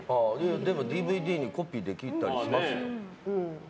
でもＤＶＤにコピーできたりしますよ。